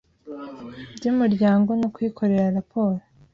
by umuryango no kuyikorera raporo